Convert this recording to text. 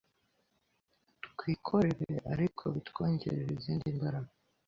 twikorere eriko bitwongereye izindi mberege